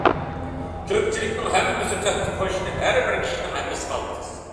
كۆپچىلىكنىڭ ھەممىسى تۆھپە قوشتى، ھەربىر كىشىنىڭ ھەممىسى قالتىس.